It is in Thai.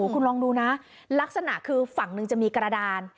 คุณลองดูนะลักษณะคือฝั่งหนึ่งจะมีกระดาน